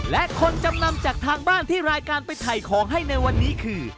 และคนจำนำจากทางบ้านที่รายการไปถ่ายของให้ในวันนี้คือ